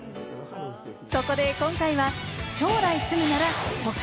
そこで今回は、将来住むなら都会？